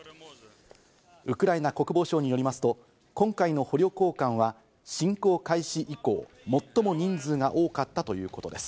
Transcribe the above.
ウクライナ国防省によりますと今回の捕虜交換は侵攻開始以降、最も人数が多かったということです。